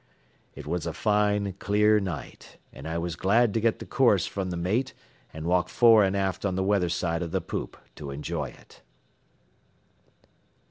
It was a fine, clear night, and I was glad to get the course from the mate and walk fore and aft on the weather side of the poop to enjoy it.